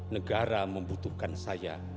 negara membutuhkan saya